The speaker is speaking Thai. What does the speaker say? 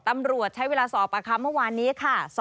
ตำรวจใช้เวลาสอบเมื่อวานนี้ครับ